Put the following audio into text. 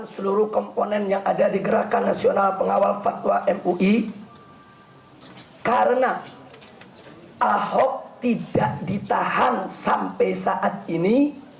seluruh komponen yang ada di gerakan nasional pengawal fatwa mui karena ahok tidak ditahan sampai saat ini